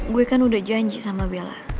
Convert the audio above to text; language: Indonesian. gue kan udah janji sama bella